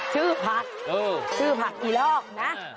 ชื่อผักชื่อผักอีลอกนะ